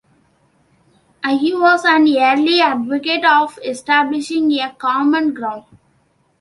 Agee was an early advocate of establishing a common ground.